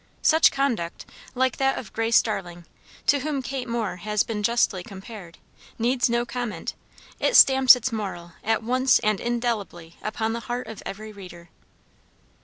Such conduct, like that of Grace Darling, to whom Kate Moore has been justly compared, needs no comment; it stamps its moral at once and indelibly upon the heart of every reader.